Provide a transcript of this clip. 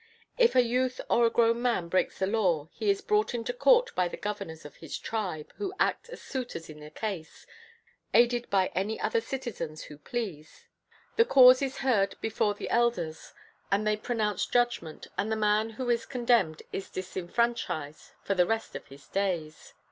If a youth or a grown man breaks the law he is brought into court by the governors of his tribe, who act as suitors in the case, aided by any other citizen who pleases. The cause is heard before the elders and they pronounce judgment; and the man who is condemned is disenfranchised for the rest of his days.